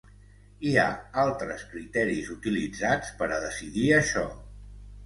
Hi ha altres criteris utilitzats per a decidir això.